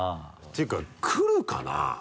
ていうか来るかな？